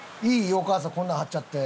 お母さんこんなん貼っちゃって。